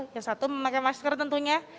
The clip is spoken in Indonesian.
yang satu memakai masker tentunya